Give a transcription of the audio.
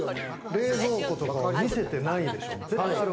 冷蔵庫とかを見せてないでしょ。